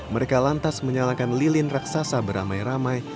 mereka lantas menyalakan lilin raksasa beramai ramai